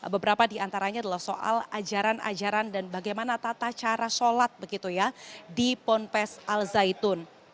beberapa diantaranya adalah soal ajaran ajaran dan bagaimana tata cara sholat begitu ya di ponpes al zaitun